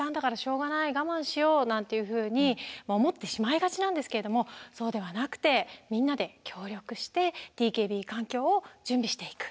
我慢しよう」なんていうふうに思ってしまいがちなんですけれどもそうではなくてみんなで協力してＴＫＢ環境を準備していく。